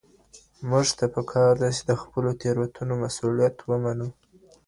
موږ ته په کار ده چې د خپلو تېروتنو مسؤلیت ومنو.